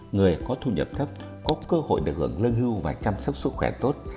người có thu nhập thấp có cơ hội được hưởng lương hưu và chăm sóc sức khỏe tốt